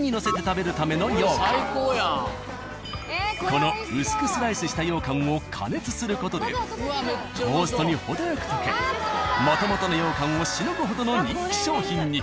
この薄くスライスしたようかんを加熱する事でトーストに程よく溶けもともとのようかんをしのぐほどの人気商品に。